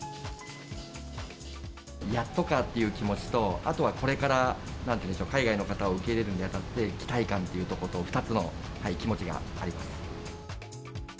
やっとかという気持ちと、あとはこれからなんていうんでしょう、海外の方を受け入れるにあたって、期待感というところと、２つの気持ちがあります。